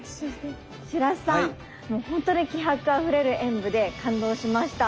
白洲さん本当に気迫あふれる演武で感動しました。